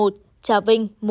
trà vinh một